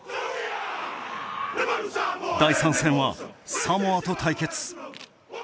第３戦はサモアと対決。